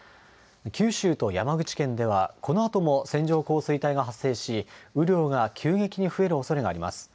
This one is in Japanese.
九州と山口県では、このあとも線状降水帯が発生し、雨量が急激に増えるおそれがあります。